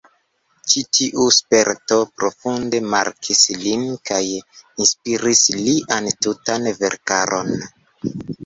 Ĉi tiu sperto profunde markis lin kaj inspiris lian tutan verkaron.